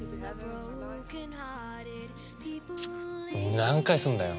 何回すんだよ。